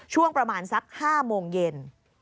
ช่วงประมาณสัก๕โมงเย็น